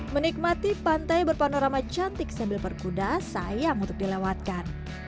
menikmati pantai berpanorama cantik sambil berkuda sayang untuk dilewatkan